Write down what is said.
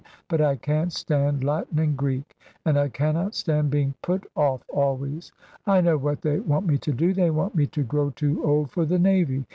But I can't stand Latin and Greek, and I cannot stand being put off always. I know what they want me to do. They want me to grow too old for the Navy!